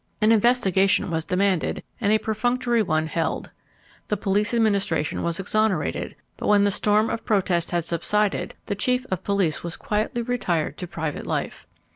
An investigation was demanded and a perfunctory one held. The police administration was exonerated, but when the storm of protest had subsided the Chief of Police was quietly retired to private life.